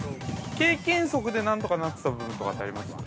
◆経験則で何とかなってた部分とかあります。